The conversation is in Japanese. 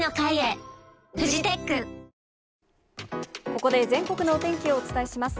ここで、全国のお天気をお伝えします。